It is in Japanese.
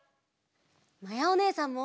まやおねえさんも！